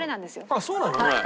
あっそうなの？